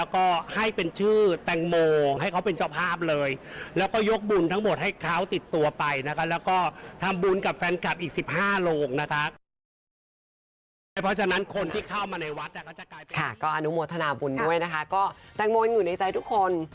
ก็อนุโมทนาบุญ้วยนะคะก็แปลงโมนอยู่ในซ้ายทุกคน